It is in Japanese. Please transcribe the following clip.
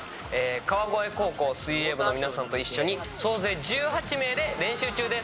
川越高校水泳部の皆さんと一緒に総勢１８名で練習中です。